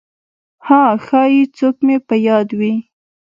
«ها… ښایي څوک مې په یاد وي!»